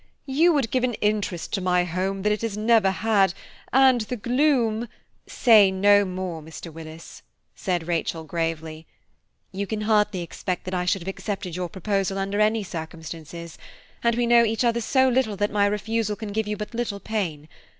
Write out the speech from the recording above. You would give an interest to my home that it has never had, and the gloom–" "Say no more, Mr. Willis," said Rachel gravely; "you can hardly expect that I should have accepted your proposal under any circumstances, and we know each other so little that my refusal can give you but little pain.